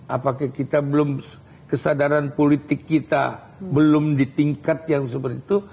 apakah kita belum kesadaran politik kita belum di tingkat yang seperti itu